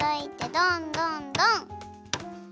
どんどんどん！